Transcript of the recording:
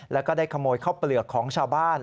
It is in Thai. แล้วก็ได้ขโมยข้าวเปลือกของชาวบ้าน